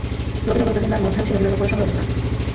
নবীনগর উপজেলার মধ্যাংশে নবীনগর পৌরসভার অবস্থান।